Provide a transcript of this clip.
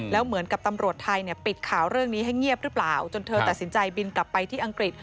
แล้วเหมือนกับตำรวจไทยเนี่ยปิดข่าวเรื่องนี้ให้เงียบหรือเปล่าจนเธอตัดสินใจบินกลับไปที่อังกฤษ